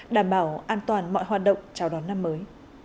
đảm bảo an toàn mọi hoạt động chào đón năm mới